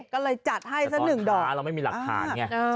ก็เลยจัดให้สักหนึ่งดอกแต่ตอนค้าเราไม่มีหลักฐานไงเออ